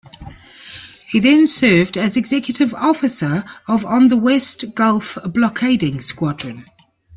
He then served as executive officer of on the West Gulf Blockading Squadron.